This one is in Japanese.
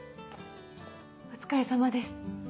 お疲れさまです。